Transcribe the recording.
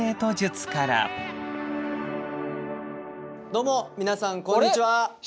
どうも皆さんこんにちは！